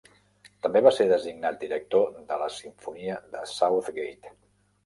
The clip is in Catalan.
També va ser designat director de la Simfonia de Southgate.